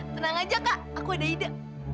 tenang aja kak aku ada ide